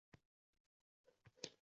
Uni bosib to’rga o’tding.